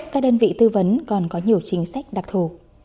các đơn vị tư vấn còn có nhiều chính sách đặc thù